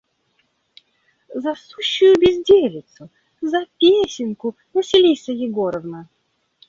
– За сущую безделицу: за песенку, Василиса Егоровна.